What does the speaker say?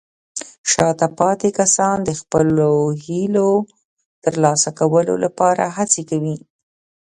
شاته پاتې کسان د خپلو هیلو ترلاسه کولو لپاره هڅې کوي.